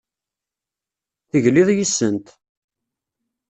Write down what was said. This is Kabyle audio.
Tegliḍ yes-sent.